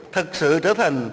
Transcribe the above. thật sự trở thành